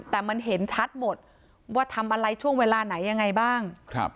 แต่มันเห็นชัดหมดว่าทำอะไรช่วงเวลาไหนยังไงบ้าง